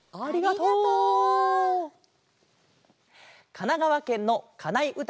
かながわけんのかないうた